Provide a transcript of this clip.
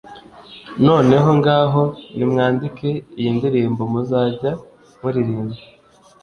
noneho ngaho nimwandike iyi ndirimbo muzajya muririmba;